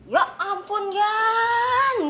ya ampun jan